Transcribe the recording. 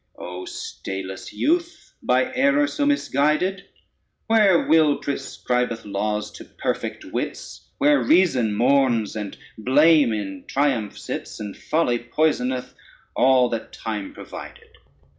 ] CORYDON O stayless youth, by error so misguided, Where will proscribeth laws to perfect wits, Where reason mourns, and blame in triumph sits, And folly poisoneth all that time provided!